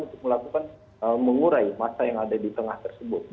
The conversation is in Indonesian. untuk melakukan mengurai masa yang ada di tengah tersebut